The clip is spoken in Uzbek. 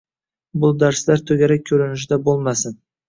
Bu darslar toʻgarak koʻrinishida bo’lmasin.